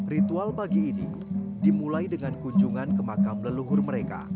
ritual pagi ini dimulai dengan kunjungan ke makam leluhur mereka